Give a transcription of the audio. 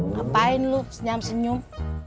ngapain lu senyam senyum